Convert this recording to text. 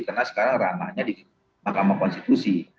karena sekarang ramahnya di mahkamah konstitusi